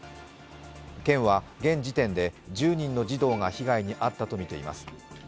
県は現時点で１０人の児童が被害に遭ったとみています。